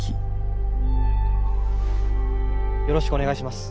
よろしくお願いします。